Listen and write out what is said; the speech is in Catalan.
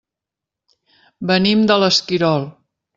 Venim de l'Esquirol.